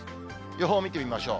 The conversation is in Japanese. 予報見てみましょう。